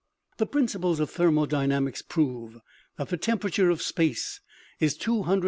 " The principles of thermodynamics prove that the temperature of space is 273 below zero.